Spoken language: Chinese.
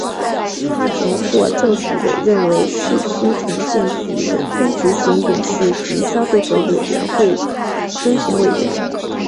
他曾获政府委任为市区重建局非执行董事及消费者委员会增选委员。